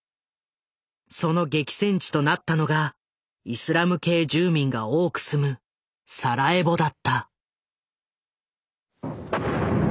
その激戦地となったのがイスラム系住民が多く住むサラエボだった。